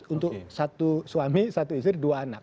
untuk suami istri dua anak